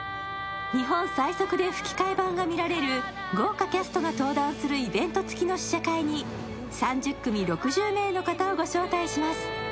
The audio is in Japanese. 日本最速で吹き替え版が見られる豪華キャストが登壇するイベント付きの試写会に３０組６０名の方をご招待します。